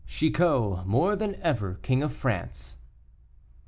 CHICOT MORE THAN EVER KING OF FRANCE.